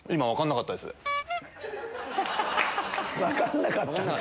分かんなかったか。